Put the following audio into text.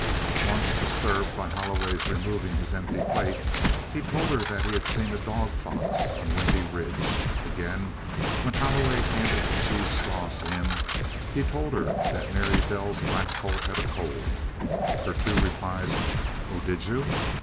Once, disturbed by Holloway's removing his empty plate, he told her that he had seen a dog fox on Windy Ridge; again, when Holloway handed the cheese straws to him, he told her that Merry Belle's black colt had a cold. Her two replies, "Oh, did you?"